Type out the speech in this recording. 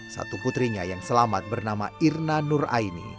satu putrinya yang selamat bernama irna nur aini